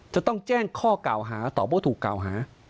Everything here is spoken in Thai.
จะต้องแจ้งข้อกล่าวหาตอบว่าถูกกล่าวหา